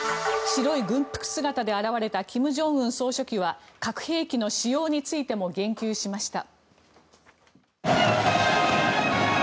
白い軍服姿で現れた金正恩総書記は核兵器の使用についても言及しました。